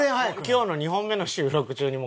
今日の２本目の収録中にもう後悔。